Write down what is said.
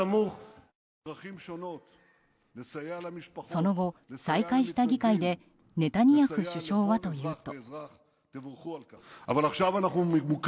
その後、再開した議会でネタニヤフ首相はというと。